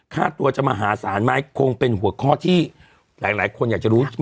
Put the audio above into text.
ค่าตัวจะมหาศาลไหมคงเป็นหัวข้อที่หลายคนอยากจะรู้